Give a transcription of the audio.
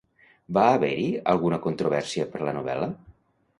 Va haver-hi alguna controvèrsia per la novel·la?